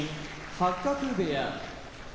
八角部屋